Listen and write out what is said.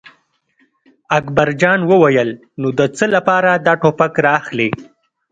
اکبر جان وویل: نو د څه لپاره دا ټوپک را اخلې.